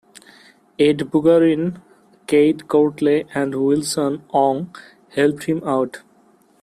Ed Bugarin, Cade Courtley and Wilson Wong helped him out.